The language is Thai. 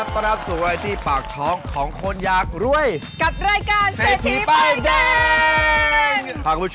พี่ไปเจอน้องนั่งอยู่